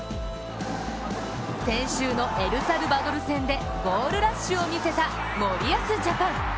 先週のエルサルバドル戦でゴールラッシュを見せた森保ジャパン。